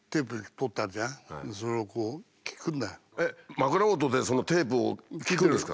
枕元でそのテープを聴くんですか？